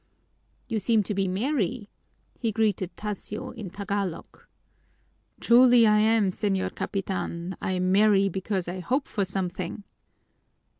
"You seem to be merry?" he greeted Tasio in Tagalog. "Truly I am, señor capitan, I'm merry because I hope for something."